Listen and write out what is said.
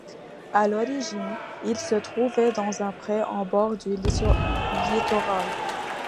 A l'origine, il se trouvait dans un pré en bord du littoral.